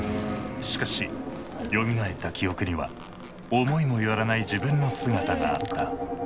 しかしよみがえった記憶には思いも寄らない自分の姿があった。